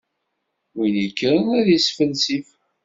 Win ikkren ad isfelsif.